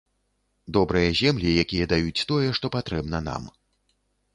Добрыя землі, якія даюць тое, што патрэбна нам.